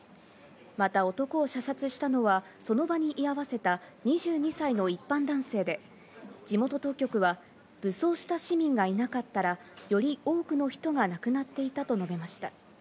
また男を射殺したのは、その場に居合わせた２２歳の一般男性で、地元当局は武装した市民がいなかったら、より多くの人が亡くなっていたと述べました。